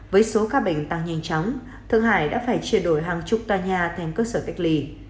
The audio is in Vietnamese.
với số ca bệnh tăng nhanh chóng thượng hải đã phải triệt đổi hàng chục toà nhà thêm cơ sở cách ly